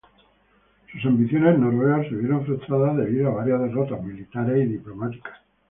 Sus ambiciones noruegas se vieron frustradas debido a varias derrotas militares y diplomáticas.